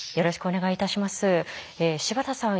柴田さん